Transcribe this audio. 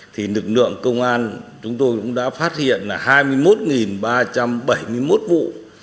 thì lực lượng công an chúng tôi cũng đã phát hiện là hai mươi một ba trăm bảy mươi một vụ